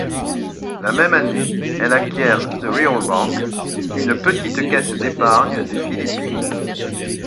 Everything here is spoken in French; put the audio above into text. La même année, elle acquiert The Real Bank, une petite caisse d'épargne des Philippines.